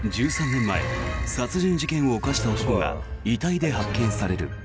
１３年前殺人事件を犯した男が遺体で発見される。